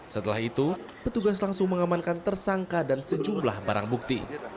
setelah itu petugas langsung mengamankan tersangka dan sejumlah barang bukti